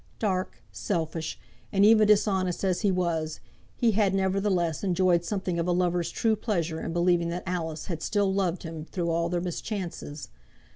Dark, selfish, and even dishonest as he was, he had, nevertheless, enjoyed something of a lover's true pleasure in believing that Alice had still loved him through all their mischances.